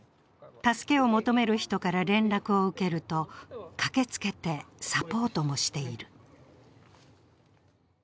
助けを求める人から連絡を受けると駆けつけてサポートもしている。